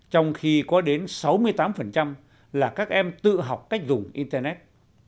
trong khi có đến sáu mươi tám là các em tự học cách dùng internet